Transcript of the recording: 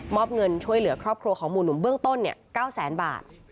อบเงินช่วยเหลือครอบครัวของหมู่หนุ่มเบื้องต้น๙แสนบาท